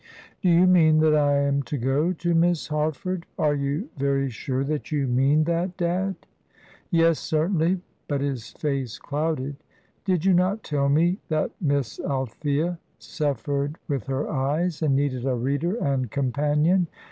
"Do you mean that I am to go to Miss Harford? Are you very sure that you mean that, dad?" "Yes, certainly" but his face clouded. "Did you not tell me that Miss Althea suffered with her eyes, and needed a reader and companion?